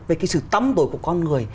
về cái sự tâm tội của con người